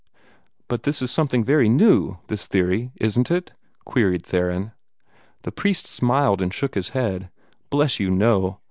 "But this is something very new, this theory, isn't it?" queried Theron. The priest smiled and shook his head. "Bless you, no!